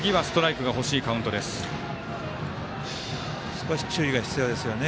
少し注意が必要ですよね。